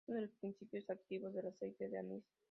Es uno de los principios activos del aceite de anís.